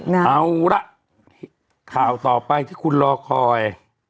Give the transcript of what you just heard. เอาละข่าวต่อไปที่คุณรอคอย